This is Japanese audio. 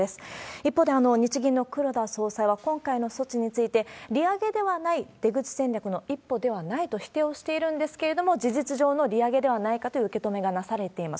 一方で、日銀の黒田総裁は、今回の措置について、利上げではない、出口戦略の一歩ではないと否定をしているんですけれども、事実上の利上げではないかという受け止めがなされています。